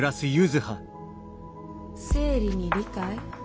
生理に理解？